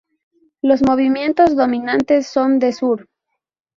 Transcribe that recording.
Los vientos dominantes son de sur.